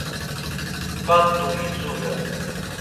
K̆at̆u izuren.